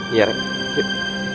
iya rek yuk